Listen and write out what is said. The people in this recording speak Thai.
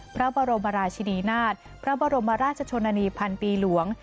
พระบรมราชินีนาฏพระบรมราชชนนานีพันปีหลวง